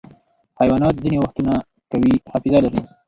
حیوانات ځینې وختونه قوي حافظه لري.